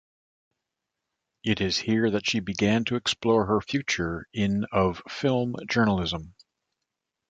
It is here that she began to explore her future in of film journalism.